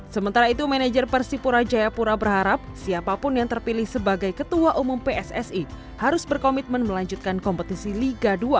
sementara itu manajer persipura jayapura berharap siapapun yang terpilih sebagai ketua umum pssi harus berkomitmen melanjutkan kompetisi liga dua